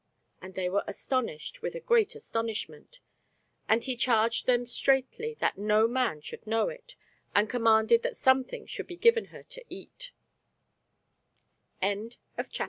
And they were astonished with a great astonishment. And he charged them straitly that no man should know it; and commanded that something should be given her to eat.